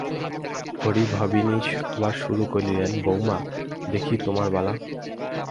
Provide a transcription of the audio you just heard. হরিভাবিনী আবার শুরু করিলেন, বউমা, দেখি তোমার বালা।